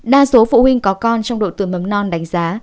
đa số phụ huynh có con trong đội tường mầm non đánh giá